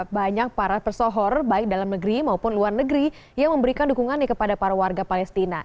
banyak para pesohor baik dalam negeri maupun luar negeri yang memberikan dukungannya kepada para warga palestina